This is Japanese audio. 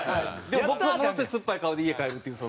でも僕はものすごい酸っぱい顔で家帰るっていう。